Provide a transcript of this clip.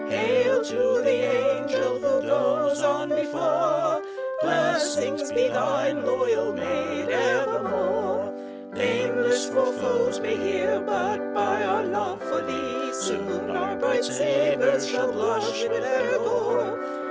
Hail to the an gel who goes on be fore, Blessings be thine, lo yal maid, ev er more. 3. "Nameless," for foes may hear, But by our love for thee, Soon our bright sabers shall blush with their gore.